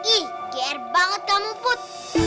ih gr banget kamu put